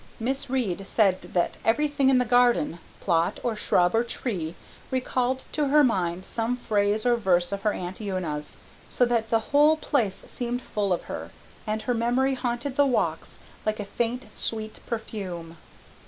Miss Reade said that everything in the garden, plot or shrub or tree, recalled to her mind some phrase or verse of her Aunt Una's, so that the whole place seemed full of her, and her memory haunted the walks like a faint, sweet perfume.